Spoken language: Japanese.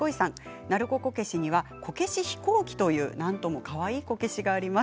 鳴子こけしには、こけし飛行機というかわいいこけしがあります。